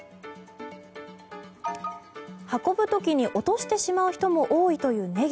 運ぶ時に落としてしまう人も多いというネギ。